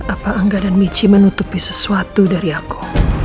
apa angga dan michi menutupi sesuatu dari aku